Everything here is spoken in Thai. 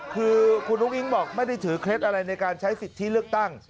คือคุณอุ้งอิ๊งบอกไม่ได้ถือเคล็ดอะไรในการใช้สิทธิเลือกตั้ง